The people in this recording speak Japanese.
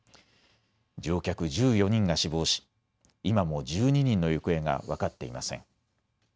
乗客１４人が死亡し今も１２人の行方が分かっていません。